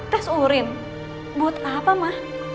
tes urin buat apa ma